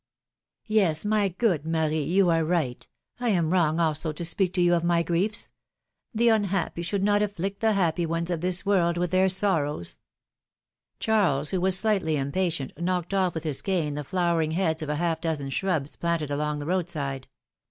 ^^Yes, my good Marie, you are right; I am wrong also to speak to you of my griefs. The unhappy should not afflict the happy ones of this world with their sorrows —" Charles, who was slightly impatient, knocked off with his cane the flowering heads of a half dozen shrubs planted along the roadside.